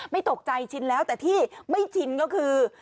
ไม่ตกใจชินแล้วแต่ที่ไม่ชินก็คือ